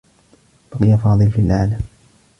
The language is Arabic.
بقي فاضل في الأعلى.